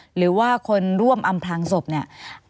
หรือว่าคนร่วมอำพลางศพเนี่ย